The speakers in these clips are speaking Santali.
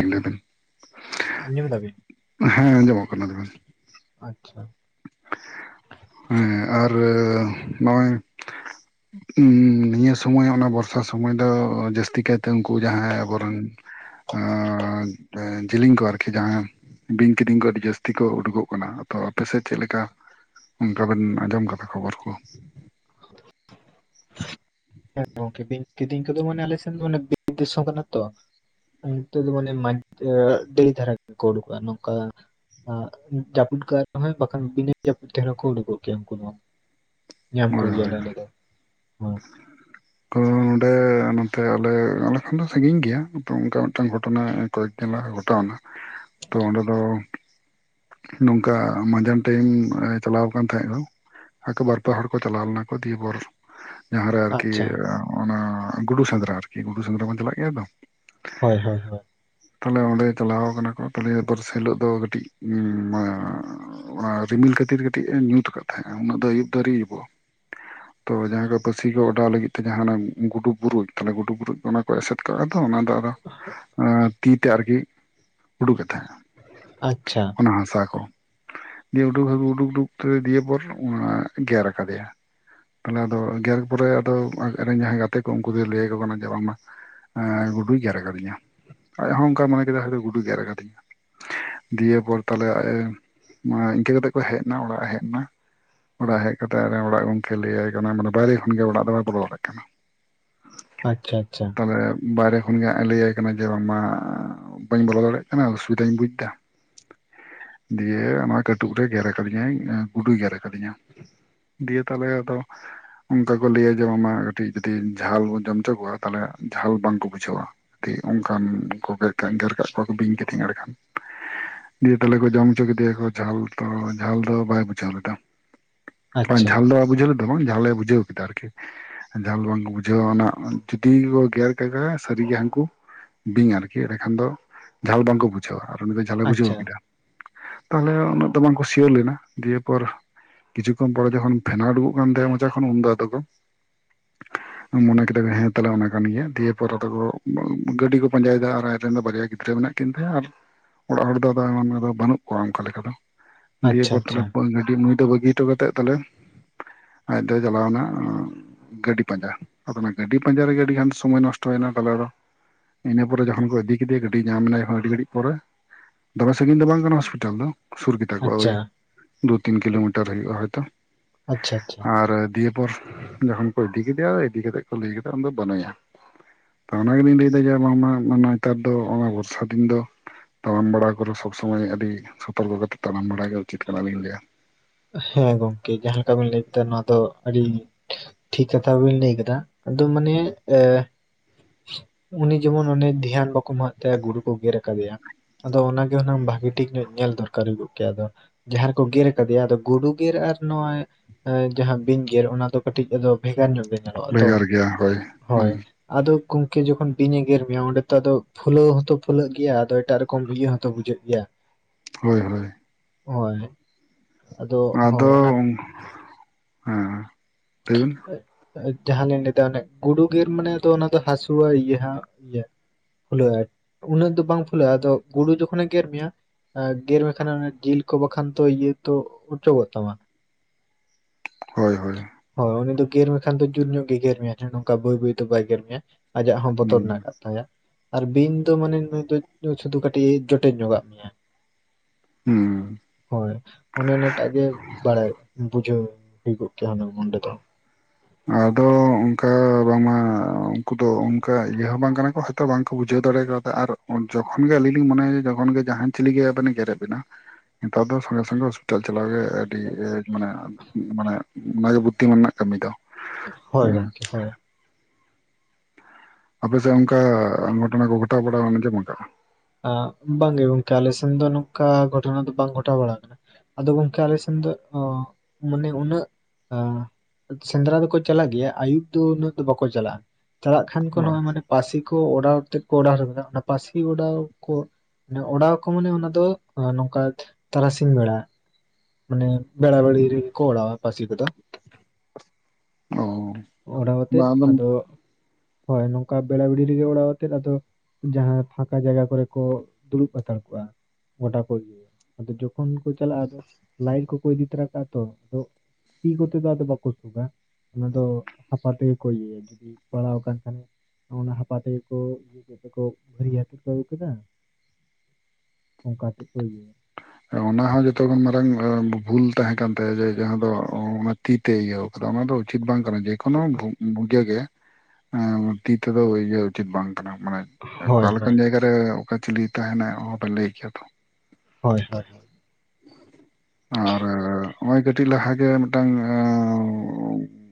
ᱮᱫ ᱟᱧᱡᱚᱢ ᱫᱟ ᱵᱤᱱ ᱦᱮᱸ ᱟᱡᱚᱢᱚᱜ ᱠᱟᱱᱟ ᱟᱪᱪᱷᱟ ᱦᱮᱸ ᱟᱨ ᱱᱚᱜᱼᱚᱭ ᱱᱤᱭᱟᱹ ᱥᱚᱢᱚᱭ ᱚᱱᱟ ᱵᱚᱨᱥᱟ ᱥᱚᱢᱚᱭ ᱫᱚ ᱡᱟᱹᱥᱛᱤ ᱠᱟᱭᱛᱮ ᱩᱱᱠᱩ ᱡᱟᱦᱟᱸᱟᱭ ᱟᱵᱚᱨᱮᱱ ᱟᱨ ᱡᱮᱞᱤᱧ ᱠᱚ ᱟᱨᱠᱤ ᱡᱟᱦᱟᱸᱭ ᱵᱤᱧ ᱠᱤᱫᱤᱧ ᱠᱚ ᱟᱹᱰᱤ ᱡᱟᱹᱥᱛᱤ ᱠᱚ ᱩᱰᱩᱠᱚᱜ ᱠᱟᱱᱟ ᱛᱚ ᱟᱯᱮᱥᱮᱫ ᱪᱮᱫ ᱞᱮᱠᱟ ᱚᱱᱠᱟᱵᱟᱞᱤᱱ ᱟᱸᱡᱚᱢ ᱠᱟᱫᱟ ᱠᱷᱚᱵᱚᱨ ᱠᱚ ᱦ ᱦᱮᱸ ᱜᱚᱝᱠᱮ ᱵᱤᱧ ᱠᱤᱫᱤᱧ ᱠᱚᱫᱚ ᱢᱟᱱᱮ ᱟᱞᱮ ᱥᱮᱱ ᱫᱚ ᱵᱤᱨᱫᱤᱥᱚᱢ ᱠᱟᱱᱟ ᱛᱚ ᱛ ᱢᱟᱱᱮ ᱢᱟᱡ ᱰ ᱫᱷᱟᱨᱟᱰᱩᱼᱟ ᱱᱚᱝᱠᱟ ᱡᱟᱯᱩᱫ ᱠᱟᱜ ᱨᱮᱦᱚᱭ ᱵᱟᱠᱷᱟᱱ ᱵᱤᱱᱟᱹ ᱡᱟᱹᱯᱩᱫ ᱛᱮᱦᱚ ᱠᱚ ᱩᱰᱩ ᱠᱚᱜᱮᱭᱟ ᱩᱱᱠᱩᱫᱚ ᱧᱟᱢ ᱦᱳᱭ ᱦᱳᱭ ᱠᱚᱜᱮᱭᱟᱞᱮ ᱟᱞᱮ ᱫᱚ ᱦᱮ ᱱᱚᱰᱮ ᱱᱚᱛᱮ ᱟᱞᱮ ᱟᱞᱮ ᱠᱷᱚᱱ ᱫᱚ ᱥᱟᱺᱜᱤᱧ ᱜᱮᱭᱟ ᱚᱱᱠᱟ ᱢᱤᱫᱴᱟᱝ ᱜᱷᱚᱴᱚᱱᱟ ᱠᱚᱭᱮᱠ ᱫᱤᱱ ᱞᱟᱦᱟ ᱜᱷᱚᱴᱟᱣ ᱮᱱᱟ ᱛᱚ ᱚᱸᱰᱮ ᱫᱚ ᱱᱚᱝᱠᱟ ᱢᱟᱸᱡᱟᱱ ᱴᱟᱭᱤᱢ ᱪᱟᱞᱟᱣ ᱟᱠᱟᱱ ᱛᱟᱦᱮᱸᱫ ᱠᱚ ᱟᱠᱚ ᱵᱟᱨᱯᱮ ᱦᱚᱲ ᱠᱚ ᱪᱟᱞᱟᱣ ᱞᱮᱱᱟ ᱠᱚ ᱫᱤᱭᱵᱚᱨ ᱡᱟᱦᱟᱸᱨᱮ ᱟᱪᱪᱷᱟ ᱫᱤᱭᱮ ᱚᱱᱟ ᱜᱩᱰᱩ ᱥᱮᱸᱫᱽᱨᱟ ᱟᱨᱠᱤ ᱜᱩᱰᱩ ᱥᱮᱸᱫᱽᱨᱟ ᱵᱚᱱ ᱪᱟᱞᱟᱜ ᱜᱮᱭᱟ ᱛᱚ ᱦᱳᱭ ᱦᱳᱭ ᱦᱳᱭ ᱛᱟᱦᱞᱮ ᱚᱸᱰᱮ ᱪᱟᱞᱟᱣ ᱠᱟᱱᱟ ᱠᱚ ᱛᱟᱦᱞᱮ ᱫᱚᱨᱥᱮᱞᱳᱜ ᱫᱚ ᱠᱟᱹᱴᱤᱡ ᱚᱱᱟ ᱨᱤᱢᱤᱞ ᱠᱷᱟᱹᱛᱤᱨ ᱠᱟᱹᱴᱤᱡ ᱮ ᱧᱩᱛ ᱠᱟᱫ ᱛᱟᱦᱮᱸᱱᱟ ᱩᱱᱟᱹᱜ ᱫᱚ ᱟᱹᱭᱩᱵ ᱫᱚ ᱟᱳᱨᱤ ᱟᱹᱩᱵᱚᱜᱼᱟ ᱛᱚ ᱡᱟᱦᱟᱸᱭᱡᱟᱦᱟ ᱠᱚ ᱯᱟᱹᱥᱤ ᱠᱚ ᱚᱰᱟᱣ ᱞᱟᱹᱜᱤᱫ ᱛᱮ ᱜᱩᱰᱩ ᱵᱩᱨᱡ ᱛᱟᱞᱮ ᱜᱩᱰᱩᱼᱵᱩᱨᱡ ᱚᱱᱟ ᱠᱚ ᱮᱥᱮᱫ ᱠᱟᱜᱼᱟ ᱚᱱᱟ ᱫᱚ ᱛᱤᱛᱮ ᱟᱨᱠᱤ ᱩᱰᱩᱠᱮᱫ ᱛᱟᱦᱮᱸᱼᱟ ᱟᱪᱪᱷᱟ ᱚᱱᱟ ᱦᱟᱥᱟ ᱠᱚ ᱫᱤᱭᱮ ᱩᱰᱩᱠ ᱦ ᱩᱰᱩᱠᱼᱰᱩᱠ ᱛᱮ ᱫᱤᱭᱮ ᱯᱚᱨ ᱚᱱᱟ ᱜᱮᱨ ᱟᱠᱟᱫᱮᱭᱟ ᱟᱞᱮ ᱟᱫᱚ ᱜᱮᱨ ᱯᱚᱨᱮ ᱟᱫᱚ ᱟᱡ ᱨᱮᱱ ᱡᱟᱦᱟᱸᱭ ᱜᱟᱛᱮ ᱠᱚ ᱩᱱᱠᱩ ᱫᱚᱭ ᱞᱟᱹᱭᱭᱟᱠᱚ ᱠᱟᱱᱟ ᱡᱮ ᱵᱟᱝᱢᱟ ᱜᱩᱰᱩᱭ ᱜᱮᱨ ᱟᱠᱟᱫᱤᱧᱟ ᱟᱡ ᱦᱚᱸ ᱚᱱᱠᱟ ᱢᱚᱱᱮ ᱠᱮᱫᱟ ᱦᱚᱭ ᱚᱚ ᱜᱩᱰᱩᱭ ᱜᱮᱨ ᱟᱠᱟᱫᱤᱧᱟ ᱫᱤᱭᱮ ᱯᱚᱨ ᱛᱟᱞᱮ ᱤᱱᱠᱟᱹ ᱠᱟᱛᱮᱜ ᱠᱚ ᱦᱮᱡ ᱮᱱᱟ ᱚᱲᱟᱜ ᱮ ᱦᱮᱡ ᱮᱱᱟ ᱚᱲᱟᱜ ᱦᱮᱡ ᱠᱟᱛᱮ ᱚᱲᱟᱜ ᱜᱚᱝᱠᱮ ᱞᱟᱹᱭᱟᱭ ᱠᱟᱱᱟ ᱢᱟᱱᱮ ᱵᱟᱭᱨᱮ ᱠᱷᱚᱱ ᱜᱮ ᱚᱲᱟᱜ ᱫᱚ [unintelligible] ᱠᱟᱱᱟ ᱟᱪᱪᱷᱟ ᱟᱪᱪᱷᱟ ᱛᱟᱦᱞᱮ ᱵᱟᱭᱨᱮ ᱠᱷᱚᱱᱜᱮ ᱦᱟᱸ ᱮ ᱞᱟᱹᱭᱟᱭ ᱠᱟᱱᱟ ᱡᱮ ᱵᱟᱝᱢᱟ ᱵᱟᱹᱧ ᱵᱚᱞᱚ ᱫᱟᱲᱮᱜ ᱠᱟᱱᱟ ᱚᱥᱩᱵᱤᱫᱟᱧ ᱵᱩᱡ ᱮᱫᱟ ᱫᱤᱭᱮ ᱚᱱᱟ ᱠᱟᱹᱴᱩᱵ ᱨᱮ ᱜᱮᱨ ᱟᱠᱟᱫᱤᱧᱟᱭ ᱜᱩᱰᱩᱭ ᱜᱮᱨ ᱟᱠᱟᱫᱤᱧᱟ ᱫᱤᱭᱮ ᱛᱟᱞᱮ ᱟᱫᱚ ᱚᱱᱠᱟ ᱠᱚ ᱞᱟᱹᱭᱟ ᱡᱮ ᱵᱟᱝᱢᱟ ᱠᱟᱹᱴᱤᱡ ᱡᱩᱫᱤ ᱡᱷᱟᱞ ᱵᱚᱱ ᱡᱚᱢ ᱦᱚᱪᱚ ᱠᱚᱣᱟ ᱛᱟᱞᱦᱮ ᱡᱷᱟᱞ ᱵᱟᱝᱠᱚ ᱵᱩᱡᱷᱟᱹᱣᱟ ᱚᱱᱠᱟᱱ ᱠᱚ ᱜᱮᱨ ᱠᱟᱜ ᱜᱮᱨ ᱠᱟᱜ ᱠᱚᱣᱟ ᱠᱚ ᱵᱤᱧ ᱠᱤᱫᱤᱧ ᱟᱹᱰᱤ ᱜᱟᱱ ᱫᱤᱭᱮ ᱛᱟᱞᱮ ᱠᱚ ᱡᱚᱢ ᱦᱚᱪᱚ ᱠᱮᱫᱮᱭᱟᱠᱚ ᱡᱷᱟᱞ ᱛᱚ ᱡᱷᱟᱞ ᱫᱚ ᱵᱟᱭ ᱵᱩᱡᱷᱟᱹᱣ ᱞᱮᱫᱟ᱾ ᱵᱟᱝ ᱟᱪᱪᱷᱟ ᱡᱷᱟᱞ ᱫᱚ ᱵᱟ ᱵᱩᱡᱷᱟᱹᱣ ᱞᱮᱫᱟ ᱵᱟᱝ ᱡᱷᱟᱞᱮ ᱵᱩᱡᱷᱟᱹᱣ ᱠᱮᱫᱟ ᱟᱨᱠᱤ ᱡᱷᱟᱞ ᱵᱟᱝᱠᱚ ᱵᱩᱡᱷᱟᱹᱣᱟ ᱚᱱᱟ ᱡᱩᱫᱤ ᱠᱚ ᱜᱮᱨ ᱠᱟᱜᱠᱚᱣᱟ ᱥᱟᱹᱨᱤᱜᱮ ᱦᱟᱹᱱᱠᱩ ᱵᱤᱧ ᱟᱨᱠᱤ ᱮᱸᱰᱮᱠᱷᱟᱱ ᱫᱚ ᱡᱷᱟᱞ ᱵᱟᱝᱠᱚ ᱵᱩᱡᱷᱟᱹᱣᱟ ᱟᱨ ᱩᱱᱤ ᱫᱚ ᱟᱪᱪᱷᱟ ᱡᱷᱟᱞᱮ ᱵᱩᱡᱷᱟᱹᱣ ᱟᱪᱪᱷᱟ ᱠᱮᱫᱟ᱾ ᱛᱟᱦᱞᱮ ᱩᱱᱟᱹᱜ ᱫᱚ ᱵᱟᱝᱠᱚ ᱥᱭᱟᱹᱣᱞᱮᱱᱟ ᱫᱤᱭᱮᱯᱚᱨ ᱠᱤᱪᱷᱩ ᱠᱷᱚᱱ ᱯᱚᱨᱮ ᱡᱚᱠᱷᱚᱱ ᱯᱷᱱᱟᱰᱩᱠᱩᱜ ᱠᱟᱱ ᱛᱟᱦᱮᱸᱜ ᱢᱚᱪᱟ ᱠᱷᱚᱡ ᱩᱱ ᱫᱚ ᱟᱫᱚ ᱠᱚ ᱢᱚᱱᱮ ᱠᱮᱫᱟ ᱦᱮᱸ ᱛᱟᱞᱦᱮ ᱚᱱᱟ ᱠᱟᱱ ᱜᱮᱭᱟ ᱫᱤᱭᱮ ᱯᱚᱨᱮ ᱛᱮᱠᱚ ᱜᱟᱹᱰᱤ ᱠᱚ ᱯᱟᱸᱡᱟᱭᱮᱫᱟ ᱟᱨ ᱟᱡᱨᱮᱱ ᱫᱚ ᱵᱟᱨᱭᱟ ᱜᱤᱫᱽᱨᱟᱹ ᱢᱮᱱᱟ ᱠᱤᱱ ᱛᱟᱭᱟ ᱟᱨ ᱚᱲᱟᱜ ᱦᱚᱲ ᱫᱚ ᱮᱢᱟᱱᱫᱚ ᱵᱟᱹᱱᱩᱜ ᱠᱚᱣᱟ ᱚᱱᱠᱟ ᱞᱮᱠᱟ ᱫᱚ ᱫᱤᱭ ᱟᱪᱪᱷᱟ ᱯᱚᱲᱚ ᱠᱚ ᱜᱟᱹᱰᱤ ᱱᱩᱭ ᱫᱚ ᱵᱟᱹᱜᱤ ᱴᱩ ᱠᱟᱛᱮᱫ ᱛᱟᱞᱮ ᱟᱡ ᱫᱚ ᱪᱟᱞᱟᱣᱱᱟ ᱜᱟᱹᱰᱤ ᱯᱟᱸᱡᱟ ᱟᱫᱚ ᱚᱱᱟ ᱜᱟᱹᱰᱤ ᱯᱟᱸᱡᱟ ᱨᱮᱜᱮ ᱟᱹᱰᱤ ᱜᱟᱱ ᱥᱚᱢᱚᱭ ᱱᱚᱥᱴᱚᱭᱮᱱᱟ ᱛᱟᱦᱮ ᱫᱚ ᱤᱱᱟᱹ ᱯᱚᱨᱮ ᱡᱚᱠᱷᱚᱱ ᱠᱚ ᱤᱫᱤ ᱠᱮᱫᱮᱭᱟ ᱜᱟᱹᱰᱤ ᱧᱟᱢ ᱱᱟᱭ ᱟᱹᱰᱤ ᱜᱷᱟᱹᱲᱤᱡ ᱯᱚᱨᱮ ᱫᱚᱢᱮ ᱥᱟᱺᱜᱤᱧ ᱫᱚ ᱵᱟᱝ ᱠᱟᱱᱟ ᱦᱚᱥᱯᱤᱴᱟᱞ ᱫᱚ ᱥᱩᱨ ᱜᱮ ᱛᱟᱠᱚᱣᱟ ᱳᱭ ᱟᱪᱪᱷᱟ ᱫᱩ ᱛᱤᱱ ᱠᱤᱞᱳᱢᱤᱴᱟᱨ ᱦᱩᱭᱩᱜᱼᱟ ᱦᱚᱭᱛᱳ ᱟᱪᱪᱷᱟ ᱟᱪᱪᱷᱟ ᱟᱨ ᱫᱤᱭᱮ ᱯᱚᱨ ᱡᱚᱠᱷᱚᱱ ᱠᱚ ᱤᱫᱤ ᱠᱮᱫᱮᱭᱟ ᱤᱫᱤ ᱠᱟᱛᱮᱫ ᱠᱚ ᱞᱟᱹᱭ ᱠᱮᱫᱟ ᱫᱚ ᱵᱟᱹᱱᱩᱭᱟ ᱛᱚ ᱚᱱᱟ ᱜᱮᱞᱤᱧ ᱞᱟᱹᱭᱫᱟ ᱡᱮ ᱵᱟᱝᱢᱟ ᱱᱮᱛᱟᱨ ᱫᱚ ᱚᱱᱟ ᱵᱚᱨᱥᱟ ᱫᱤᱱ ᱫᱚ ᱛᱟᱲᱟᱢ ᱵᱟᱲᱟ ᱠᱚᱨ ᱥᱚᱵᱽ ᱥᱚᱢᱚᱭ ᱟᱹᱰᱤ ᱥᱚᱛᱚᱨᱠᱚ ᱛᱟ ᱛᱮ ᱛᱟᱲᱟᱢ ᱵᱟᱲᱟ ᱜᱮ ᱩᱪᱤᱛ ᱠᱟᱱᱟᱞᱤᱧ ᱞᱟᱹᱭᱟ ᱦᱮᱸ ᱜᱚᱝᱠᱮ ᱡᱟᱦᱟᱸ ᱞᱮᱠᱟ ᱵᱤᱱ ᱞᱟᱹᱭ ᱠᱮᱫᱟ ᱱᱚᱶᱟ ᱫᱚ ᱟᱹᱰᱤ ᱴᱷᱤᱠ ᱠᱟᱛᱷᱟ ᱵᱤᱱ ᱞᱟᱹᱭ ᱠᱮᱫᱟ ᱟᱫᱚ ᱢᱟᱱᱮ ᱩᱱᱤ ᱡᱮᱢᱚᱱ ᱚᱱᱮ ᱫᱷᱮᱭᱟᱱ ᱵᱟᱠᱚ ᱮᱢᱟᱜ ᱛᱟᱭᱟ ᱜᱩᱲᱩ ᱠᱚ ᱜᱮᱨ ᱟᱠᱟᱫᱮᱭᱟ ᱟᱫᱚ ᱚᱱᱟ ᱵᱷᱟᱜᱤ ᱴᱷᱤᱠ ᱧᱚᱜ ᱧᱮᱞ ᱫᱚᱨᱠᱟᱨ ᱦᱩᱭᱩᱜ ᱠᱮᱭᱟᱫᱚ ᱡᱟᱦᱟᱸ ᱨᱮᱠᱚ ᱜᱮᱨ ᱟᱠᱟᱫᱮᱭᱟ ᱟ ᱜᱩᱰᱩ ᱜᱮᱨ ᱟᱨ ᱱᱚᱜᱚᱭ ᱡᱟᱦᱟᱸ ᱵᱤᱧ ᱜᱮᱨ ᱚᱱᱟ ᱫᱚ ᱠᱟᱹᱴᱤᱡ ᱵᱷᱮᱜᱟᱨ ᱧᱚᱜ ᱜᱮ ᱧᱮᱞᱚᱜ ᱟ ᱛᱚ ᱵᱷᱮᱜᱟᱨ ᱜᱮᱭᱟ ᱦᱳᱭ ᱦᱳᱭ ᱦᱩᱸ ᱟᱫᱚ ᱜᱚᱝᱠᱮ ᱡᱚᱠᱷᱚᱱ ᱵᱤᱧ ᱮ ᱜᱮᱨ ᱢᱮᱭᱟ ᱚᱸᱰᱮ ᱛᱚ ᱟᱫᱚ ᱯᱷᱩᱞᱟᱹᱣ ᱦᱚᱸᱛᱚ ᱯᱷᱩᱞᱟᱹᱜ ᱜᱮᱭᱟ ᱟᱫᱚ ᱮᱴᱟᱜ ᱨᱚᱠᱚᱢ ᱤᱭᱟᱹ ᱦᱚᱸᱛᱚ ᱵᱩᱡᱷᱟᱹᱜ ᱜᱮᱭᱟ᱾ ᱦᱳᱭ ᱦᱳᱭ ᱚᱭ ᱟᱫᱚ ᱦᱮᱸ ᱞᱟᱹᱭᱵᱤᱱ ᱡᱟᱦᱟᱸ ᱞᱤᱧ ᱞᱟᱹᱭ ᱫᱟ ᱚᱱᱮ ᱜᱩᱰᱩ ᱜᱮᱨ ᱢᱟᱱᱮ ᱫᱚ ᱚᱱᱟ ᱫᱚ ᱦᱟᱹᱥᱩᱣᱟᱜ ᱤᱭᱟᱹ ᱦᱟ ᱯᱷᱩᱞᱟᱹᱼᱟ ᱩᱱᱟᱹᱜ ᱫᱚ ᱵᱟᱝ ᱯᱷᱩᱞᱟᱹᱼᱟ ᱟᱫᱚ ᱜᱩᱰᱩ ᱡᱚᱠᱷᱚᱱᱮ ᱜᱮᱨ ᱢᱮᱭᱟ ᱜᱮᱨ ᱢᱮᱟᱠᱷᱟᱱ ᱮ ᱚᱱᱮ ᱡᱤᱞ ᱠᱚ ᱵᱟᱠᱷᱟᱱ ᱛᱚ ᱤᱭᱟᱹ ᱛᱚ ᱩᱪᱚᱜᱚᱜ ᱛᱟᱢᱟ ᱦᱳᱭ ᱦᱳᱭ ᱦᱳᱭ ᱩᱱᱤ ᱫᱚ ᱜᱮᱨ ᱢᱮᱠᱷᱟᱱ ᱫᱚ ᱡᱩᱞ ᱧᱚᱜ ᱜᱮᱨ ᱢᱮᱭᱟ ᱱᱚᱝᱠᱟ ᱵᱟᱹᱭ ᱵᱟᱹᱭ ᱫᱚ ᱵᱟᱭ ᱜᱮᱨ ᱢᱮᱭᱟ ᱟᱡᱟᱜ ᱦᱚᱸ ᱵᱚᱛᱚᱨ ᱢᱮᱱᱟᱜ ᱦᱩᱸ ᱟᱠᱟᱫ ᱛᱟᱭᱟ ᱟᱨ ᱵᱤᱧ ᱫᱚ ᱢᱟᱱᱮ ᱱᱩᱭ ᱫᱚ ᱥᱩᱫᱩ ᱠᱟᱹᱴᱤᱡ ᱡᱚᱴᱮᱜ ᱧᱚᱜᱟᱜ ᱢᱮᱭᱟ ᱦᱩᱸ ᱦᱳᱭ ᱚᱱᱮ ᱚᱱᱟᱴᱟᱜ ᱜᱮ ᱵᱟᱲᱟᱭ ᱵᱩᱡᱟᱹᱣ ᱦᱩᱭ ᱠᱚᱜ ᱠᱮᱭᱟ ᱦᱩᱱᱟᱹᱝ ᱚᱱᱰᱮ ᱫᱚ ᱟᱫᱚ ᱚᱝᱠᱟ ᱵᱟᱝᱢᱟ ᱩᱱᱠᱩ ᱫᱚ ᱚᱝᱠᱟ ᱤᱭᱟᱹ ᱦᱚᱸ ᱵᱟᱝ ᱠᱟᱱᱟ ᱠᱚ ᱥᱮ ᱛᱚ ᱵᱟᱝᱠᱚ ᱵᱩᱡᱷᱟᱹᱣ ᱫᱟᱲᱮ ᱠᱟᱣᱫᱟ ᱟᱨ ᱡᱚᱠᱷᱚᱱ ᱜᱮ ᱟᱹᱞᱤᱧ ᱞᱤᱧ ᱢᱚᱱᱮᱭᱟ ᱡᱚᱠᱷᱚᱱ ᱜᱮ ᱡᱟᱦᱟᱱ ᱪᱤᱞᱤ ᱜᱮ ᱟᱵᱮᱱ ᱮ ᱜᱮᱨᱮᱫ ᱵᱮᱱᱟ ᱱᱮᱛᱟᱨ ᱫᱚ ᱥᱚᱝᱜᱮ ᱥᱚᱝᱜᱮ ᱦᱚᱸᱥᱯᱤᱴᱟᱞ ᱪᱟᱞᱟᱣ ᱜᱮ ᱟᱹᱰᱤ ᱢᱟᱱᱮ ᱢᱟᱱᱮ ᱚᱱᱟᱜᱮ ᱵᱩᱫᱽᱫᱷᱤᱢᱟᱱ ᱨᱮᱱᱟᱜ ᱠᱟᱹᱢᱤ ᱫᱚ ᱦᱳᱭ ᱦᱮᱸ ᱜᱚᱢᱠᱮ ᱦᱳᱭ ᱾ ᱟᱯᱮᱥᱮᱫ ᱚᱝᱠᱟ ᱜᱷᱚᱴᱚᱱᱟ ᱠᱚ ᱜᱷᱚᱴᱟᱣ ᱵᱟᱲᱟᱢ ᱟᱸᱡᱚᱢ ᱟᱠᱟᱟᱜᱼᱟ? ᱵᱟᱝᱜᱮ ᱜᱚᱝᱠᱮ ᱟᱞᱮ ᱥᱮᱱ ᱫᱚ ᱱᱚᱝᱠᱟ ᱜᱷᱚᱴᱚᱱᱟ ᱫᱚ ᱵᱟᱝ ᱜᱷᱚᱴᱟᱣ ᱵᱟᱲᱟ ᱟᱠᱟᱱᱟ ᱾ ᱟᱫᱚ ᱜᱚᱝᱠᱮ ᱟᱞᱮᱥᱮᱱ ᱫᱚ ᱚ ᱢᱟᱱᱮ ᱩᱱᱟᱹᱜᱼᱼ ᱥᱮᱸᱫᱽᱨᱟ ᱫᱚᱠᱚ ᱪᱟᱞᱟᱜ ᱜᱮᱭᱟ ᱟᱹᱭᱩᱵ ᱫᱚ ᱩᱱᱟᱹᱜ ᱫᱚ ᱵᱟᱠᱚ ᱪᱟᱞᱟᱜᱼᱟ ᱾ ᱪᱟᱞᱟᱜ ᱠᱷᱟᱱ ᱠᱚ ᱦᱳᱭ ᱱᱚᱜᱼᱚᱭ ᱢᱟᱱᱮ ᱯᱟᱹᱥᱤ ᱠᱚ ᱚᱰᱟᱣ ᱛᱮᱫ ᱠᱚ ᱚᱰᱟᱣ ᱦᱚᱴᱚ ᱠᱟᱫᱟ ᱚᱱᱟ ᱯᱥᱤ ᱚᱰᱟᱣᱼᱼ ᱠᱚ ᱚᱰᱟᱣ ᱟᱠᱚ ᱢᱟᱱᱮ ᱚᱱᱟ ᱫᱚ ᱱᱚᱝᱠᱟ ᱛᱟᱨᱟᱥᱤᱧ ᱵᱮᱲᱟ᱾ ᱢᱟᱱᱮ ᱵᱮᱲᱟ ᱵᱤᱲᱤ ᱨᱮᱜᱮ ᱠᱚ ᱠᱚᱲᱟᱣ-ᱟ ᱯᱟᱹᱥᱤ ᱠᱚᱫᱚ ᱚ ᱾ ᱚᱰᱟᱣ ᱠᱟᱛᱮᱫ ᱵᱟᱝ ᱟᱫᱚᱢ ᱟᱫᱚᱼᱼ ᱦᱳᱭ ᱱᱚᱝᱠᱟ ᱵᱮᱲᱟ ᱵᱤᱲᱤ ᱨᱮᱜᱮ ᱚᱲᱟᱣ ᱠᱟᱛᱮᱫ ᱟᱫᱚ ᱡᱟᱦᱟᱸ ᱯᱷᱟᱸᱠᱟ ᱡᱟᱭᱜᱟ ᱠᱚᱨᱮᱼᱼ ᱠᱚ ᱫᱩᱲᱩᱵ ᱦᱟᱛᱟᱲ ᱠᱚᱜᱼᱟ ᱜᱚᱰᱟ ᱠᱚ ᱤᱭᱟᱹ ᱭᱟ ᱾ ᱟᱫᱚ ᱡᱚᱠᱷᱚᱱ ᱠᱚ ᱪᱟᱞᱟᱜᱼᱟ ᱟᱫᱚ ᱞᱟᱭᱤᱴ ᱠᱚᱠᱚ ᱤᱫᱤ ᱛᱚᱨᱟ ᱠᱟᱜᱼᱟ ᱛᱚ ᱟᱫᱚᱼᱼ ᱛᱤ ᱠᱚᱛᱮ ᱫᱚ ᱵᱟᱠᱚ ᱥᱩᱜᱟ ᱚᱱᱟ ᱫᱚ ᱦᱟᱯᱟ ᱛᱮᱜᱮ ᱠᱚ ᱤᱭᱟᱹᱭᱟ ᱾ ᱡᱤᱼᱼ ᱯᱟᱲᱟᱣ ᱟᱠᱟᱱ ᱠᱷᱟᱱᱮ ᱚᱱᱟ ᱦᱟᱯᱟ ᱛᱮᱜᱮ ᱠᱚ ᱤᱭᱟᱹ ᱠᱮᱫ ᱛᱮᱠᱚ ᱵᱷᱟᱹᱨᱭᱟᱹ ᱦᱟᱹᱛᱮᱫ ᱠᱚ ᱟᱹᱜᱩ ᱠᱮᱫᱟ ᱾ ᱚᱱᱠᱟ ᱠᱟᱛᱮᱫ ᱠᱚ ᱤᱭᱟᱹᱭᱟ ᱾ ᱦᱮᱸ ᱚᱱᱟᱦ ᱡᱚᱛᱚ ᱠᱷᱚᱱ ᱢᱟᱨᱟᱝ ᱵᱷᱩᱞ ᱛᱟᱦᱮᱸ ᱠᱟᱱ ᱛᱟᱭᱟ ᱾ ᱡᱮ ᱡᱟᱦᱟᱸ ᱫᱚ ᱛᱤ ᱛᱮᱭ ᱤᱭᱟᱹᱣ ᱟᱠᱟᱫᱟ ᱾ ᱚᱱᱟ ᱫᱚᱼᱼ ᱩᱪᱤᱛ ᱵᱟᱝ ᱠᱟᱱᱟ ᱡᱮ ᱮᱠᱷᱳᱱᱳ ᱵᱷᱩᱜᱮᱜᱮ ᱛᱤ ᱛᱮᱫᱚ ᱤᱭᱟᱹ ᱩᱪᱤᱛ ᱵᱟᱝ ᱠᱟᱱᱟ ᱾ ᱢᱟᱱᱮ ᱚᱠᱟ ᱦᱳᱭ ᱦᱳᱭ ᱞᱮᱠᱟᱱ ᱡᱟᱭᱜᱟᱼᱼ ᱥᱮ ᱚᱠᱟ ᱪᱤᱞᱤ ᱛᱟᱦᱮᱸ ᱱᱟᱭ ᱚᱦᱚᱯᱮ ᱞᱟᱹᱭ ᱠᱮᱭᱟ ᱛᱚ ᱾ ᱦᱳᱭ ᱦᱳᱭ ᱦᱳᱭ ᱾ ᱟᱨ ᱱᱚᱜᱼᱚᱭ ᱠᱟᱹᱴᱤᱡ ᱞᱟᱦᱟ ᱜᱮ ᱢᱤᱫᱴᱟᱝᱼᱼ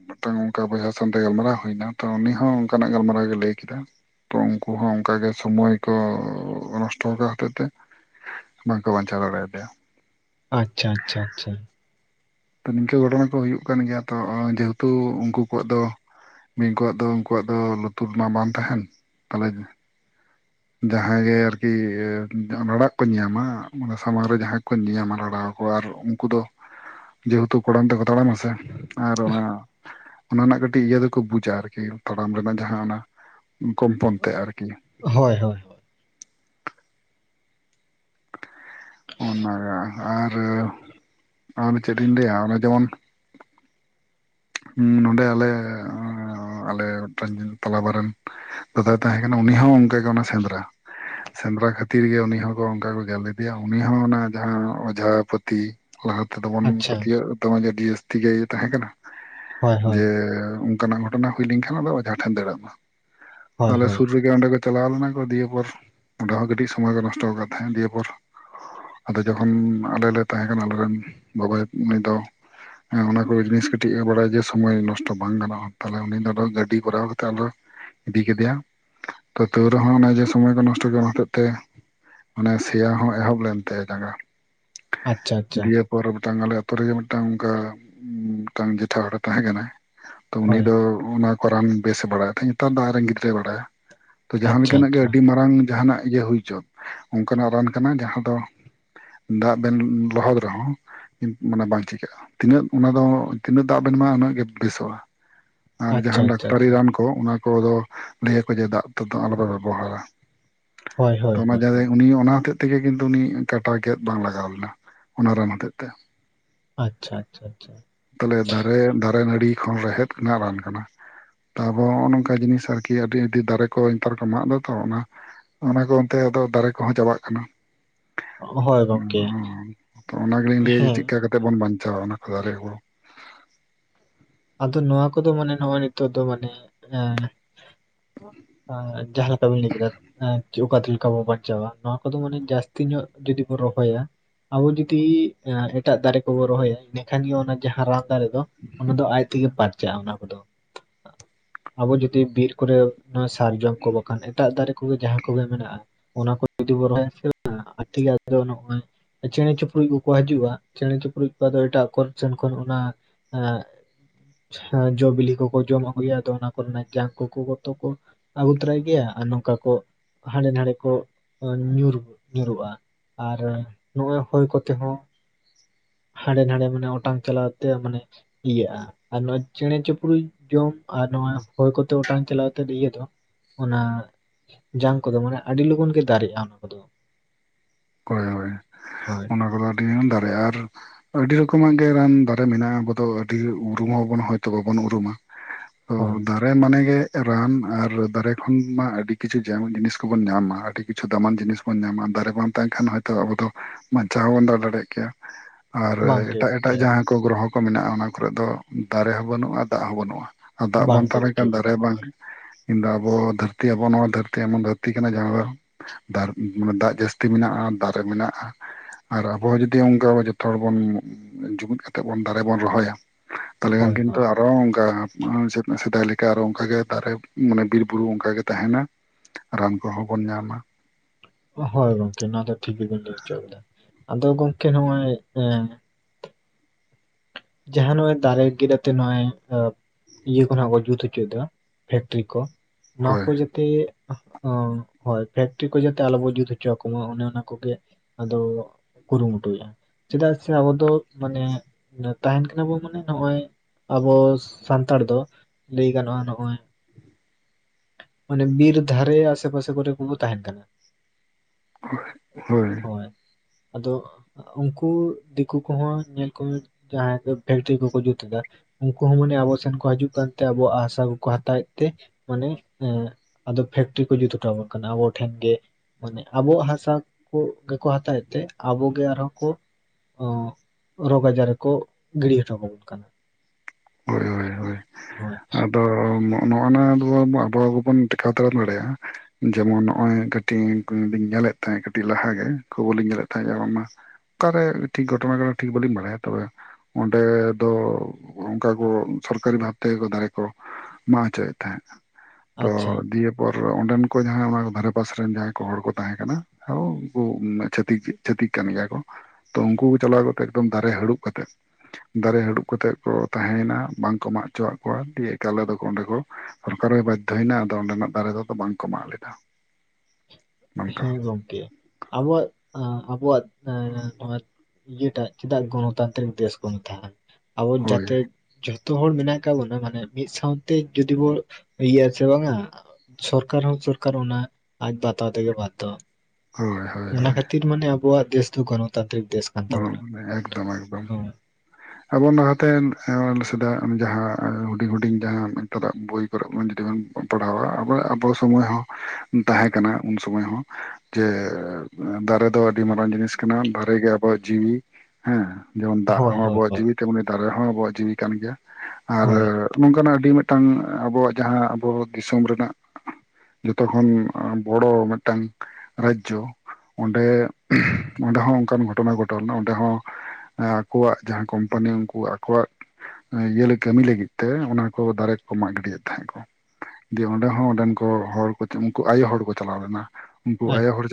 ᱢᱤᱫᱴᱟᱝ ᱚᱱᱠᱟ ᱵᱚᱭᱦᱟ ᱥᱟᱶᱛᱮ ᱜᱟᱞᱢᱟᱨᱟᱣ ᱦᱩᱭᱱᱟ ᱾ ᱛᱚ ᱩᱱᱤ ᱦᱚᱸ ᱚᱱᱠᱟ ᱱᱟᱜ ᱜᱟᱞᱢᱟᱨᱟᱣ ᱜᱮᱭ ᱞᱟᱹᱭ ᱠᱮᱫᱟ᱾ ᱛᱚ ᱩᱱᱠᱩ ᱦᱚᱸ ᱚᱱᱠᱟ ᱜᱮ ᱥᱚᱢᱚᱭ ᱠᱚ ᱱᱚᱥᱴᱚ ᱟᱠᱟᱫ ᱦᱚᱛᱮᱡ ᱛᱮᱼᱼ ᱠᱚ ᱵᱟᱸᱱᱪᱟᱣ ᱫᱟᱲᱮ ᱟᱫᱮᱭᱟ ᱾ ᱟᱪᱪᱷᱟ ᱟᱪᱪᱷᱟ ᱟᱪᱪᱷᱟ ᱾ ᱛᱚ ᱱᱤᱝᱠᱟᱹ ᱜᱷᱚᱴᱚᱱᱟ ᱠᱚ ᱦᱩᱭᱩᱜ ᱠᱟᱱ ᱜᱮᱭᱟ ᱾ ᱛᱚ ᱡᱮᱦᱮᱛᱩ ᱩᱱᱠᱩ ᱠᱚᱣᱟᱜ ᱫᱚᱼᱼ ᱵᱤᱧ ᱠᱚᱣᱟᱜ ᱫᱚ ᱩᱱᱠᱩᱣᱟᱜ ᱫᱚ ᱞᱩᱛᱩᱨ ᱢᱟ ᱵᱟᱝ ᱛᱟᱦᱮᱱ ᱛᱟᱦᱚᱞᱮᱼᱼ ᱡᱟᱦᱟᱸᱭ ᱜᱮ ᱟᱨᱠᱤ ᱨᱟᱲᱟᱜ ᱠᱚ ᱧᱮᱧᱟᱢᱟ ᱢᱟᱱᱮ ᱥᱟᱢᱟᱝ ᱨᱮ ᱡᱟᱦᱟᱸ ᱜᱮ ᱠᱚ ᱧᱮᱧᱟᱢᱟ ᱨᱟᱲᱟᱣ ᱠᱚ ᱟᱨᱼᱼ ᱩᱱᱠᱩ ᱫᱚ ᱡᱮᱦᱮᱛᱩ ᱠᱚᱲᱟᱢ ᱛᱮᱠᱚ ᱛᱟᱲᱟᱢ ᱟᱥᱮ ᱾ ᱟᱨ ᱚᱱᱟᱼᱼ ᱚᱱᱟ ᱨᱮᱱᱟᱜ ᱠᱟᱹᱴᱤᱡ ᱤᱭᱟᱹ ᱫᱚᱠᱚ ᱵᱩᱡᱟ ᱾ ᱟᱨᱠᱤ ᱛᱟᱲᱟᱢ ᱨᱮᱱᱟᱜ ᱡᱟᱦᱟᱸ ᱚᱱᱟ ᱠᱚᱢᱯᱚᱱ ᱛᱮ ᱟᱨᱠᱤ ᱾ ᱦᱳᱭ ᱦᱳᱭ ᱾ ᱚᱱᱱᱟᱜᱮ ᱟᱨ ᱟᱮ ᱪᱮᱫ ᱤᱧ ᱞᱟᱹᱭᱟ ᱚᱱᱮ ᱡᱮᱢᱚᱱᱼᱼ ᱦᱩᱸ ᱱᱚᱸᱰᱮ ᱟᱞᱮᱼᱼ ᱟᱞᱮ ᱢᱮᱫᱴᱟᱱ ᱛᱟᱞᱟᱵᱟ ᱨᱮᱱ ᱫᱟᱫᱟᱭ ᱛᱟᱦᱮᱸ ᱠᱟᱱᱟ ᱾ ᱩᱱᱤ ᱦᱚᱸ ᱚᱱᱠᱟᱜᱮ ᱚᱱᱟ ᱥᱮᱸᱫᱽᱨᱟ᱾ ᱥᱮᱸᱫᱽᱨᱟ ᱠᱷᱟᱹᱛᱤᱨ ᱜᱮ ᱩᱱᱤ ᱦᱚᱸᱠᱚ ᱚᱱᱠᱟ ᱠᱚ ᱜᱮᱨ ᱞᱮᱫᱮᱭᱟ ᱾ ᱩᱱᱤ ᱦᱚᱸ ᱚᱱᱟ ᱡᱟᱦᱟᱸ ᱚᱡᱷᱟ ᱯᱟᱹᱛᱤᱼᱼ ᱞᱟᱦᱟ ᱛᱮᱫᱚ ᱵᱚᱱ ᱟᱪᱪᱷᱟ ᱯᱟᱹᱛᱭᱟᱹᱜ ᱛᱚ ᱡᱮ ᱟᱹᱰᱤ ᱡᱟᱹᱥᱛᱤ ᱜᱮ ᱛᱟᱦᱮᱸ ᱠᱟᱱᱟ ᱦᱳᱭ ᱦᱳᱭ ᱡᱮ ᱚᱱᱠᱟ ᱱᱟᱜ ᱜᱷᱚᱴᱚᱱᱟ ᱦᱩᱭ ᱞᱮᱱᱠᱷᱟᱱ ᱟᱫᱚ ᱚᱡᱷᱟ ᱴᱷᱮᱱ ᱫᱟᱹᱲᱟᱜ ᱢᱟ᱾ ᱦᱳᱭ ᱟᱞᱮ ᱦᱳᱭ ᱥᱩᱨ ᱨᱮᱼᱼ ᱚᱸᱰᱮ ᱠᱚ ᱪᱟᱞᱟᱣ ᱞᱮᱱᱟ ᱠᱚ ᱫᱤᱭᱮᱯᱚᱨ ᱚᱸᱰᱮ ᱦᱚᱸ ᱠᱟᱹᱴᱤᱡ ᱥᱚᱢᱚᱭ ᱠᱚ ᱱᱚᱥᱴᱚ ᱟᱠᱟᱫ ᱛᱟᱦᱮᱸᱱᱟ᱾ ᱫᱤᱭᱮ ᱯᱚᱨᱼᱼ ᱟᱫᱚ ᱡᱚᱠᱷᱚᱱ ᱟᱞᱮ ᱞᱮ ᱛᱟᱦᱮᱸ ᱠᱟᱱᱟ ᱟᱱᱟ ᱟᱞᱮ ᱨᱮᱱ ᱜᱳᱜᱳᱭ ᱩᱱᱤ ᱫᱚ ᱦᱮᱸ ᱚᱱᱟ ᱠᱚ ᱡᱤᱱᱤᱥᱼᱼ ᱠᱟᱹᱴᱤᱡ ᱮ ᱵᱟᱲᱟᱭ ᱡᱮ ᱥᱚᱢᱚᱭ ᱱᱚᱥᱴᱚ ᱵᱟᱝ ᱜᱟᱱᱚᱜᱼᱟ᱾ ᱛᱟᱦᱚᱞᱮ ᱩᱱᱤ ᱫᱚ ᱟ ᱜᱟᱹᱰᱤ ᱠᱚᱨᱟᱣ ᱠᱟᱛᱮ ᱟᱞᱚᱼᱼ ᱤᱫᱤ ᱠᱮᱫᱮᱭᱟ ᱛᱚ ᱛᱟᱹᱣ ᱨᱮᱦᱚᱸ ᱚᱱᱮ ᱡᱮ ᱥᱚᱢᱚᱭ ᱠᱚ ᱱᱚᱥᱴᱚ ᱠᱮᱫ ᱚᱱᱟ ᱦᱚᱛᱮᱜ ᱛᱮᱼᱼ ᱢᱟᱱᱮ ᱥᱮᱭᱟ ᱦᱚᱸ ᱮᱦᱚᱵ ᱞᱮᱱ ᱛᱟᱭᱟ ᱡᱟᱸᱜᱟ᱾ ᱟᱪᱪᱷᱟ ᱟᱪᱪᱷᱟ ᱾ ᱯᱚᱨᱮ ᱢᱮᱫᱴᱟᱝ ᱟᱞᱮ ᱟᱛᱳ ᱨᱮᱜᱮ ᱢᱫᱴᱟᱝ ᱚᱱᱠᱟ ᱢᱮᱫᱴᱟᱝ ᱡᱮᱴᱷᱟᱦᱚᱲᱮ ᱛᱟᱦᱮᱸ ᱠᱟᱱᱟ ᱾ ᱛᱚ ᱩᱱᱤ ᱦᱳᱭ ᱫᱚ ᱚᱱᱟ ᱠᱚ ᱨᱟᱱ ᱵᱮᱥ ᱮ ᱵᱟᱲᱟᱭᱟ ᱛᱟᱦᱮᱫ᱾ ᱱᱮᱛᱟᱨ ᱫᱚ ᱟᱡ ᱨᱮᱱ ᱜᱤᱫᱽᱨᱟᱹᱭ ᱵᱟᱲᱟᱭᱟ᱾ ᱛᱚ ᱡᱟᱦᱟᱸ ᱟᱪᱪᱷᱟ ᱞᱮᱠᱟ ᱱᱟᱜ ᱜᱮ ᱟᱪᱪᱷᱟ ᱟᱪᱪᱷᱟ ᱟᱹᱰᱤ ᱢᱟᱨᱟᱝ ᱡᱟᱦᱟᱸ ᱱᱟᱜ ᱤᱭᱟᱹ ᱦᱩᱭ ᱦᱚᱪᱚᱜ, ᱚᱝᱠᱟ ᱱᱟᱜ ᱨᱟᱱ ᱠᱟᱱᱟ ᱡᱟᱦᱟᱸ ᱫᱚᱼᱼ ᱫᱟᱜ ᱵᱮᱱ ᱞᱚᱦᱚᱫ ᱨᱮᱦᱚᱸ ᱢᱟᱱᱮ ᱵᱟᱝ ᱪᱤᱠᱟᱹᱜᱼᱟ᱾ᱛᱤᱱᱟᱹᱜ ᱚᱱᱟ ᱫᱚᱼᱼ ᱛᱤᱱᱟᱹᱜ ᱫᱟᱜ ᱵᱮᱱ ᱮᱢᱟᱜᱼᱟ ᱩᱱᱟᱹᱜ ᱜᱮ ᱵᱮᱥᱚᱜᱼᱟ ᱾ ᱟᱨ ᱡᱟᱦᱟᱸ ᱟᱪᱪᱷᱟ ᱰᱟᱠᱛᱟᱨᱤ ᱟᱪᱪᱷᱟ ᱨᱟᱱ ᱠᱚᱼᱼ ᱚᱱᱟ ᱠᱚᱫᱚ ᱞᱟᱹᱭᱟ ᱠᱚ ᱡᱮ ᱫᱟᱜ ᱛᱮᱫᱚ ᱟᱞᱚᱯᱮ ᱵᱮᱵᱚᱦᱟᱨᱟ ᱾ ᱦᱳᱭ ᱛᱚ ᱦᱳᱭ ᱚᱱᱟ ᱦᱳᱭ ᱡ ᱦᱳᱭ, [unintelligible] ᱩᱱᱤ ᱚᱱᱟ ᱦᱚᱛᱮᱡ ᱛᱮᱜᱮ ᱠᱤᱱᱛᱩ ᱩᱱᱤ ᱠᱟᱴᱟ ᱜᱮᱫ ᱵᱟᱝ ᱞᱟᱜᱟᱣ ᱞᱮᱱᱟ, ᱚᱱᱟ ᱨᱟᱱ ᱦᱚᱛᱮᱡ ᱛᱮ ᱾ ᱟᱪᱪᱷᱟ ᱟᱪᱪᱷᱟ ᱟᱪᱪᱷᱟ ᱾ ᱛᱟᱦᱞᱮ ᱫᱟᱨᱮ ᱫᱟᱨᱮ ᱱᱟᱹᱲᱤ ᱠᱷᱚᱱ ᱨᱮᱦᱮᱫ ᱨᱮᱱᱟᱜ ᱨᱟᱱ ᱠᱟᱱᱟ ᱾ ᱟᱨᱦᱚᱸ ᱱᱚᱜᱚ ᱱᱚᱝᱠᱟ ᱡᱤᱱᱤᱥ ᱟᱨᱠᱤ ᱟᱹᱰᱤ ᱟᱹᱰᱤ ᱫᱟᱨᱮ ᱠᱚ ᱱᱮᱛᱟᱨ ᱠᱚ ᱢᱟᱜ ᱮᱫᱟ ᱛᱚ ᱚᱱᱟ ᱾ ᱚᱱᱟ ᱠᱚ ᱚᱱᱛᱮ ᱟᱫᱚ ᱫᱟᱨᱮ ᱠᱚᱦᱚᱸ ᱪᱟᱵᱟᱜ ᱠᱟᱱᱟ ᱾ ᱦᱳᱭ ᱜᱚᱝᱠᱮ ᱚ ᱚᱱᱟ ᱜᱮᱞᱤᱧ ᱞᱟᱹᱭᱟ ᱡᱮ ᱦᱮᱸ ᱪᱮᱫᱞᱮᱠᱟ ᱠᱟᱛᱮ ᱵᱚᱱ ᱵᱟᱧᱪᱟᱣᱟ ᱚᱱᱟ ᱠᱚ ᱫᱟᱨᱮ ᱠᱚ? ᱟᱫᱚ ᱱᱚᱣᱟ ᱠᱚᱫᱚ ᱢᱟᱱᱮ ᱱᱚᱜᱼᱚᱭ ᱱᱤᱛᱚᱜ ᱫᱚ ᱢᱟᱱᱮ ᱮ ᱡᱟᱦᱟᱸ ᱞᱮᱠᱟ ᱵᱤᱱ ᱞᱟᱹᱭ ᱠᱮᱫᱟ ᱚᱠᱟ ᱞᱮᱠᱟ ᱵᱚ ᱵᱟᱧᱪᱟᱣᱟ ᱾ ᱱᱚᱣᱟ ᱠᱚᱫᱚ ᱢᱟᱱᱮ ᱡᱟᱹᱥᱛᱤ ᱧᱚᱜ ᱡᱩᱫᱤ ᱵᱚᱱ ᱨᱚᱦᱚᱭᱟ᱾ ᱟᱵᱚ ᱡᱩᱫᱤ ᱮᱴᱟᱜ ᱫᱟᱨᱮ ᱠᱚᱵᱚᱱ ᱨᱚᱦᱚᱭᱟ, ᱤᱱᱟᱹᱠᱷᱟᱱ ᱜᱮ ᱚᱱᱟ ᱡᱟᱦᱟᱸ ᱨᱟᱱ ᱫᱟᱨᱮ ᱫᱚ ᱚᱱᱟ ᱫᱚ ᱟᱡ ᱛᱮᱜᱮ ᱯᱟᱨᱪᱟᱜᱼᱟ ᱾ ᱚᱱᱟ ᱠᱚᱫᱚ ᱟᱵᱚ ᱡᱩᱫᱤ ᱵᱤᱨ ᱠᱚᱨᱮ ᱱᱚᱣᱟ ᱥᱟᱨᱡᱚᱢ ᱠᱚ ᱵᱟᱠᱷᱟᱱ ᱮᱴᱟᱜ ᱫᱟᱨᱮ ᱠᱚᱜᱮ ᱡᱟᱦᱟᱸ ᱠᱚᱜᱮ ᱢᱮᱱᱟᱜᱼᱟ ᱾ ᱚᱱᱟ ᱠᱚ ᱡᱩᱫᱤ ᱵᱚᱱ ᱨᱚᱦᱚᱭᱟ ᱥᱮ ᱟᱡ ᱛᱮᱜᱮ ᱟᱫᱚ ᱱᱚᱜᱼᱚᱭ ᱪᱮᱸᱬᱮ ᱪᱤᱯᱨᱩᱫ ᱠᱚᱠᱚ ᱦᱤᱡᱩᱜᱼᱟ ᱾ ᱪᱮᱸᱬᱮ ᱪᱤᱯᱨᱩᱫ ᱠᱚᱫᱚ ᱮᱴᱟᱜ ᱠᱚᱨᱮ ᱥᱮᱱ ᱠᱷᱚᱱ ᱚᱱᱟ ᱮ ᱮᱸ ᱡᱚ ᱵᱤᱞᱤ ᱠᱚᱠᱚ ᱡᱚᱢ ᱟᱹᱜᱩᱭᱟ ᱟᱫᱚ ᱚᱱᱟ ᱠᱚᱨᱮᱱᱟᱜ ᱡᱟᱝ ᱠᱚᱠᱚ ᱜᱮᱛᱚ ᱟᱹᱜᱩ ᱛᱚᱨᱟᱭ ᱜᱮᱭᱟ ᱟᱨ ᱱᱚᱝᱠᱟ ᱠᱚ ᱦᱟᱸᱰᱮ ᱱᱟᱰᱮ ᱠᱚ ᱧᱩᱨ, ᱧᱩᱨᱩᱜᱼᱟ ᱾ ᱟᱨ ᱱᱚᱜᱼᱚᱭ ᱦᱚᱭ ᱠᱚᱛᱮ ᱦᱚᱸ ᱦᱟᱸᱰᱮ ᱱᱟᱰᱮ ᱢᱟᱱᱮ ᱚᱴᱟᱝ ᱪᱟᱞᱟᱣ ᱛᱮ ᱢᱟᱱᱮ ᱤᱭᱟᱹᱜᱼᱟ ᱾ ᱟᱨ ᱱᱚᱣᱟ ᱪᱮᱸᱬᱮ ᱪᱤᱯᱨᱩ ᱡᱚᱠ ᱟᱨ ᱱᱚᱣᱟ ᱦᱚᱭ ᱠᱚᱛᱮ ᱚᱴᱟᱝ ᱪᱟᱞᱟᱣ ᱠᱟᱛᱮ ᱤᱭᱟᱹ ᱫᱚ ᱚᱱᱟ ᱡᱟᱝ ᱠᱚᱫᱚ ᱢᱟᱱᱮ ᱟᱹᱰᱤ ᱞᱚᱜᱚᱱ ᱜᱮ ᱫᱟᱨᱮᱜᱼᱟ ᱚᱱᱟ ᱠᱚᱫᱚ ᱾ ᱦᱳᱭ ᱦᱳᱭ, ᱦᱳᱭ ᱚᱱᱟ ᱠᱚᱫᱚ ᱟᱹᱰᱤ ᱜᱟᱱ ᱫᱟᱨᱮᱜᱼᱟ ᱟᱨ ᱟᱹᱰᱤ ᱨᱚᱠᱚᱢᱟᱜ ᱜᱮ ᱨᱟᱱ ᱫᱟᱨᱮ ᱢᱮᱱᱟᱜᱼᱟ ᱾ ᱟᱵᱚ ᱫᱚ ᱟᱹᱰᱤ ᱩᱨᱩᱢ ᱟᱵᱚᱱ ᱦᱚᱭᱛᱳ ᱵᱟᱵᱚᱱ ᱩᱨᱩᱢᱟ ᱾ ᱛᱚ ᱦᱳᱭ ᱫᱟᱨᱮ ᱢᱟᱱᱮ ᱜᱮ, ᱨᱟᱱ ᱟᱨ ᱫᱟᱨᱮ ᱠᱷᱚᱱ ᱢᱟ ᱟᱹᱰᱤ ᱠᱤᱪᱷᱩ ᱡᱟᱝ ᱡᱤᱱᱤᱥ ᱠᱚᱵᱚᱱ ᱧᱟᱢᱟ ᱟᱹᱰᱤ ᱠᱤᱪᱷᱩ ᱫᱟᱢᱟᱱ ᱡᱤᱱᱤᱥ ᱵᱚᱱ ᱧᱟᱢᱟ ᱫᱟᱨᱮ ᱵᱟᱝ ᱠᱷᱟᱱ ᱟᱵᱚ ᱫᱚ ᱵᱟᱧᱪᱟᱣ ᱦᱚᱸᱵᱚᱱ ᱫᱚᱦᱚ ᱫᱟᱲᱮᱭᱟᱜ ᱠᱮᱭᱟ ᱟᱨ ᱵᱟᱝᱜᱮ ᱮᱴᱟᱜ ᱮᱴᱟᱜ ᱜᱚᱝᱠᱮ ᱡᱟᱦᱟᱸ ᱩᱯᱳ ᱜᱨᱚᱦᱚ ᱠᱚ ᱢᱮᱱᱟᱜᱼᱟ, ᱚᱱᱟ ᱠᱚᱨᱮ ᱫᱚ ᱫᱟᱨᱮ ᱦᱚᱸ ᱵᱟᱹᱱᱩᱜᱼᱟ ᱫᱟᱜ ᱦᱚᱸ ᱵᱟᱹᱱᱩᱜᱼᱟ ᱾ ᱟᱨ ᱫᱟᱜ ᱵᱟᱝ ᱵᱟᱝᱜᱮ ᱛᱟᱦᱮᱸᱱ ᱠᱷᱟᱱ ᱵᱟᱹᱪᱩᱜ ᱠᱟᱫᱟ ᱫᱟᱨᱮ ᱵᱟᱝ ᱾ ᱟᱵᱚ ᱫᱷᱟᱹᱨᱛᱤ ᱟᱵᱚ ᱱᱚᱣᱟ ᱫᱷᱟᱹᱨᱛᱤ ᱮᱢᱚᱜ ᱫᱷᱟᱹᱨᱛᱤ ᱠᱟᱱᱟ ᱡᱟᱦᱟᱸ ᱫᱚ ᱫᱟᱜ ᱡᱟᱹᱥ ᱛᱤ ᱢᱮᱱᱟᱜᱼᱟ ᱫᱟᱨᱮ ᱢᱮᱱᱟᱜᱼᱟ ᱾ ᱟᱨ ᱟᱵᱚ ᱦᱚᱸ ᱡᱩᱫᱤ ᱚᱱᱠᱟ ᱡᱚᱛᱚ ᱦᱚᱲ ᱵᱚᱱ ᱡᱩᱢᱤᱫ ᱠᱟᱛᱮ ᱵᱚᱱ ᱫᱟᱨᱮ ᱵᱚᱱ ᱨᱚᱦᱚᱭᱟ ᱾ ᱛᱟᱦᱚᱞᱮ ᱠᱷᱟᱱ ᱦᱳᱭ ᱠᱤᱱᱛᱩ ᱦᱳᱭ ᱟᱨ ᱚᱱᱠᱟ ᱥᱮᱫᱟᱭ ᱞᱮᱠᱟ ᱚᱱᱠᱟ ᱫᱟᱨᱮ ᱢᱟᱱᱮ ᱵᱤᱨᱵᱩᱨᱩ ᱚᱱᱠᱟ ᱜᱮ ᱛᱟᱦᱮᱱᱟ ᱾ ᱨᱟᱱ ᱠᱚᱦᱚᱸ ᱵᱚᱱ ᱧᱟᱢᱟ ᱾ ᱦᱳᱭ ᱜᱚᱝᱠᱮ ᱾ ᱱᱚᱣᱟ ᱫᱚ ᱴᱷᱤᱠ ᱜᱮᱵᱮᱱ ᱞᱟᱹᱭ ᱦᱚᱪᱚ ᱟᱠᱟᱫᱟ ᱾ ᱟᱫᱚ ᱜᱚᱝᱠᱮ ᱱᱚᱜᱼᱚᱭ, ᱡᱟᱦᱟᱸ ᱱᱟᱜ ᱫᱟᱨᱮ ᱜᱤᱨᱟᱹᱛᱮ ᱱᱚᱜᱼᱚᱭ, ᱤᱭᱟᱹ ᱠᱷᱚᱱᱟᱜ ᱠᱚ ᱡᱩᱛ ᱦᱚᱪᱚᱭᱮᱫ ᱫᱚ ᱯᱷᱮᱠᱴᱨᱤ ᱠᱚ ᱱᱚᱣᱟ ᱦᱳᱭ ᱠᱚ, ᱡᱟᱛᱮ ᱦᱚᱭ ᱯᱷᱮᱠᱴᱨᱤ ᱠᱚ ᱡᱟᱛᱮ ᱟᱞᱚᱵᱚ ᱡᱩᱛ ᱦᱚᱪᱚ ᱟᱠᱚ ᱢᱟ ᱚᱱᱮ ᱚᱱᱟ ᱠᱚᱜᱮ ᱾ ᱟᱫᱚ ᱠᱩᱨᱩᱢᱩᱴᱩᱭᱮᱫᱼᱟ ᱪᱮᱫᱟᱜ ᱥᱮ ᱟᱵᱚ ᱫᱚ ᱢᱟᱱᱮ ᱛᱟᱦᱮᱱ ᱠᱟᱱᱟ ᱵᱚ ᱢᱟᱱᱮ ᱱᱚᱜᱼᱚᱭ ᱟᱵᱚ ᱥᱟᱱᱛᱟᱲ ᱫᱚ ᱞᱟᱹᱭ ᱜᱟᱱᱚᱜᱼᱟ, ᱱᱚᱜᱼᱚᱭ ᱢᱟᱱᱮ ᱵᱤᱨ ᱫᱷᱟᱨᱮ ᱟᱥᱮ ᱯᱟᱥᱮ ᱠᱚᱨᱮ ᱠᱚᱠᱚ ᱛᱟᱦᱮᱱ ᱠᱟᱱᱟ᱾ ᱦᱳᱭ ᱟᱫᱚ ᱩᱱᱠᱩ ᱫᱤᱠᱩ ᱠᱚᱦᱚᱸ ᱧᱮᱞ ᱠᱚᱢ ᱡᱟᱦᱟᱸᱭ ᱯᱷᱮᱠᱴᱨᱤ ᱠᱚᱠᱚ ᱡᱩᱛ ᱮᱫᱟ, ᱩᱱᱠᱩ ᱦᱚᱸ ᱢᱟᱱᱮ ᱟᱵᱚ ᱥᱮᱱ ᱠᱚ ᱦᱤᱡᱩᱜ ᱠᱟᱱᱛᱮ ᱟᱵᱚᱣᱟᱜ ᱦᱟᱥᱟ ᱠᱚᱠᱚ ᱦᱟᱛᱟᱣᱮᱫ ᱛᱮ, ᱚᱱᱮ ᱮ ᱟᱫᱚ ᱯᱷᱮᱠᱴᱨᱤ ᱠᱚ ᱡᱩᱛ ᱦᱚᱴᱚᱜ ᱟᱵᱚᱱ ᱠᱟᱱᱟ ᱟᱵᱚ ᱴᱷᱮᱱ ᱜᱮ ᱾ ᱢᱟᱱᱮ ᱟᱵᱚᱣᱟᱜ ᱦᱟᱥᱟ ᱠᱚ ᱜᱮᱠᱚ ᱦᱟᱛᱟᱣᱮᱫ ᱛᱮ ᱟᱵᱚᱜᱮ ᱟᱨᱦᱚᱸ ᱠᱚ, ᱨᱳᱜᱽ ᱟᱡᱟᱨ ᱨᱮᱠᱚ ᱜᱤᱲᱤ ᱦᱚᱴᱚ ᱟᱵᱚᱱ ᱠᱟᱱᱟ ᱾ ᱦᱳᱭ ᱦᱳᱭ ᱦᱳᱭ ᱦᱳᱭ ᱾ ᱟᱫᱚ ᱱᱟᱜ ᱱᱚᱜ ᱱᱚᱣᱟ ᱫᱚ ᱟᱵᱚ ᱜᱮᱵᱚᱱ ᱴᱮᱠᱟᱣ ᱫᱟᱨᱟᱢ ᱫᱟᱲᱮᱭᱟᱜᱼᱟ ᱾ ᱡᱮᱢᱚᱱ ᱱᱚᱜᱼᱚᱭ ᱠᱟᱹᱴᱤᱡ ᱞᱤᱧ ᱧᱮᱞᱮᱫ ᱛᱟᱦᱮᱸ ᱠᱟᱹᱴᱤᱡ ᱞᱟᱦᱟᱜᱮ ᱠᱷᱚᱵᱚᱨ ᱞᱤᱧ ᱧᱮᱞᱮᱫ ᱛᱟᱸᱦᱮ ᱚᱱᱟ ᱚᱠᱟᱨᱮ ᱴᱷᱤᱠ ᱜᱷᱚᱴᱚᱱᱟ ᱠᱟᱱᱟ ᱴᱷᱤᱠ ᱵᱟᱹᱞᱤᱧ ᱵᱟᱲᱟᱭᱟ ᱛᱚ ᱚᱸᱰᱮ ᱫᱚ ᱚᱱᱠᱟ ᱠᱚ ᱥᱚᱨᱠᱟᱨᱤ ᱵᱷᱟᱵ ᱛᱮ ᱫᱟᱨᱮ ᱠᱚ ᱢᱟᱜ ᱦᱚᱪᱚᱭᱮᱫ ᱛᱟᱦᱮᱸᱫ ᱾ ᱛᱚ ᱟᱪᱪᱷᱟ ᱫᱤᱭᱮᱯᱚᱨ ᱚᱸᱰᱮᱱ ᱠᱚ ᱡᱟᱦᱟᱸᱭ ᱚᱱᱟ ᱫᱷᱟᱨᱮ ᱯᱟᱥᱮᱨᱮᱱ ᱡᱟᱦᱟᱸᱭ ᱠᱚ ᱦᱚᱲ ᱠᱚ ᱛᱟᱦᱮᱸ ᱠᱟᱱᱟ ᱾ ᱦᱚᱸ ᱩᱱᱠᱩ ᱪᱷᱟᱹᱛᱤᱠ ᱪᱷᱟᱹᱛᱤᱠ ᱠᱟᱱ ᱜᱮᱭᱟ ᱠᱚ, ᱛᱚ ᱩᱱᱠᱩ ᱠᱚ ᱪᱟᱞᱟᱣ ᱠᱟᱛᱮᱜ ᱮᱠᱫᱚᱢ ᱫᱟᱨᱮ ᱦᱟᱹᱲᱩᱵ ᱠᱟᱛᱮᱜ ᱫᱟᱨᱮ ᱦᱟᱹᱲᱩᱵ ᱠᱟᱛᱮᱜ ᱠᱚ, ᱛᱟᱦᱮᱸᱱᱟ ᱵᱟᱝ ᱠᱚ ᱢᱟᱜ ᱦᱚᱪᱚᱣᱟᱜ ᱠᱚᱣᱟ ᱫᱤᱭᱮ ᱮᱠᱟᱞᱮ ᱫᱚᱠᱚ ᱚᱸᱰᱮ ᱠᱚ ᱥᱚᱨᱠᱟᱨ ᱜᱮ ᱵᱟᱫᱽᱫᱷᱚᱭᱮᱱᱟ ᱟᱫᱚ ᱚᱱᱰᱮᱱᱟᱜ ᱫᱟᱨᱮ ᱫᱚ ᱵᱟᱝᱠᱚ ᱢᱟᱜ ᱞᱮᱫᱟ ᱾ ᱦᱮᱸ ᱜᱚᱢᱠᱮ ᱟᱵᱚᱣᱟᱜ ᱟᱵᱚᱣᱟᱜ ᱱᱚᱣᱟ ᱤᱭᱟᱹᱴᱟ ᱪᱮᱫᱟᱜ ᱜᱚᱱᱚᱛᱟᱱᱛᱨᱤᱠ ᱫᱮᱥ ᱠᱚ ᱢᱮᱛᱟᱜᱼᱟ ᱟᱵᱚ ᱦᱳᱭ ᱡᱟᱛᱮ, ᱡᱷᱚᱛᱚ ᱦᱚᱲ ᱢᱮᱱᱟᱜ ᱠᱟᱜ ᱵᱚᱱᱟ ᱢᱟᱱᱮ ᱢᱤᱫ ᱥᱟᱶᱛᱮ ᱡᱩᱫᱤ ᱵᱚᱱ ᱤᱭᱟᱹ ᱥᱮ ᱵᱟᱝᱟ, ᱥᱚᱨᱠᱟᱨ ᱦᱚᱸ ᱥᱚᱨᱠᱟᱨ ᱚᱱᱟ ᱟᱡ ᱵᱟᱛᱟᱣ ᱛᱮᱜᱮ ᱵᱟᱫᱽᱫᱷᱚᱼᱟ ᱦᱳᱭ ᱦᱳᱭ ᱾ ᱚᱱᱟ ᱦᱳᱭ ᱠᱷᱟᱹᱛᱤᱨ ᱢᱟᱱᱮ ᱟᱵᱚᱣᱟᱜ ᱫᱮᱥ ᱫᱚ ᱜᱚᱱᱚᱛᱟᱱᱛᱨᱤᱠ ᱫᱮᱥ, ᱠᱟᱱ ᱛᱟᱵᱚᱱᱟ ᱮᱠᱫᱚᱢ ᱮᱠᱫᱚᱢ ᱟᱵᱚ ᱞᱟᱦᱟᱛᱮᱱ ᱥᱮᱫᱟᱜ ᱡᱟᱦᱟᱸ ᱦᱩᱰᱤᱧ ᱦᱩᱰᱤᱧ ᱡᱟᱦᱟᱸ ᱱᱮᱛᱟᱨᱟᱜ ᱵᱚᱭ, ᱠᱚᱨᱮ ᱵᱚᱱ ᱯᱟᱲᱦᱟᱣᱟ ᱟᱵᱚ ᱥᱚᱢᱚᱭ ᱦᱚᱸ ᱛᱟᱦᱮᱸ ᱠᱟᱱᱟ ᱩᱱ ᱥᱚᱢᱚᱭ ᱦᱚᱸ ᱡᱮ ᱫᱟᱨᱮ ᱫᱚ ᱟᱹᱰᱤ ᱢᱟᱨᱟᱝ ᱡᱤᱱᱤᱥ ᱠᱟᱱᱟ ᱫᱟᱨᱮ ᱜᱮ ᱟᱵᱚᱣᱟᱜ ᱡᱤᱣᱤ ᱦᱮᱸ ᱡᱮᱢᱚᱱ ᱫᱟᱜ ᱦᱳᱭ ᱦᱚᱸ ᱦᱳᱭ ᱟᱵᱚᱣᱟᱜ ᱦᱳᱭ ᱡᱤᱣᱤ ᱛᱮᱵᱚᱱ ᱫᱟᱨᱮ ᱦᱚᱸ ᱟᱵᱚᱣᱟᱜ ᱡᱤᱣᱤ ᱠᱟᱱ ᱜᱮᱭᱟ ᱾ ᱟᱨ ᱦᱳᱭ ᱱᱚᱝᱠᱟᱱᱟᱜ ᱟᱹᱰᱤ ᱢᱤᱫᱴᱟᱝ ᱟᱵᱚᱣᱟᱜ ᱡᱟᱦᱟᱸ ᱟᱵᱚ ᱫᱤᱥᱚᱢ ᱨᱮᱱᱟᱜ ᱡᱚᱛᱚᱠᱷᱚᱱ ᱵᱚᱲᱚ ᱢᱤᱫᱴᱟᱝ ᱨᱟᱡᱽᱡᱚ, ᱚᱸᱰᱮ ᱚᱸᱰᱮ ᱦᱚᱸ ᱚᱱᱠᱟᱱ ᱜᱷᱚ ᱴᱚᱱᱟ ᱜᱷᱚᱴᱟᱣ ᱞᱮᱱᱟ ᱚᱸᱰᱮ ᱦᱚᱸ ᱟᱠᱚᱣᱟᱜ ᱡᱟᱦᱟᱸ ᱠᱳᱢᱯᱟᱱᱤ ᱩᱱᱠᱩ ᱟᱠᱚᱣᱟᱜ [unintelligible] ᱠᱟᱹᱢᱤ ᱞᱟᱹᱜᱤᱫ ᱛᱮ ᱚᱱᱟ ᱠᱚ ᱫᱟᱨᱮ ᱠᱚ ᱢᱟᱜ ᱜᱤᱰᱤᱭᱮᱫ ᱛᱟᱦᱮᱸᱫ ᱠᱚ᱾ ᱫᱤᱭᱮ ᱚᱸᱰᱮ ᱦᱚᱸ ᱚᱸᱰᱮᱱ ᱠᱚ ᱦᱚᱲ ᱠᱚ ᱪᱩᱢᱠᱩ ᱟᱭᱳ ᱦᱚᱲ ᱠᱚ ᱪᱟᱞᱟᱣ ᱞᱮᱱᱟ ᱩᱱᱠᱩ ᱟᱨ ᱟᱭᱳ ᱦᱚᱲ ᱡᱚ